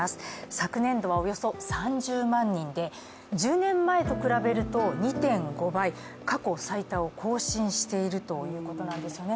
昨年度はおよそ３０万人で１０年前と比べると２．５倍、過去最多を更新しているということなんですよね。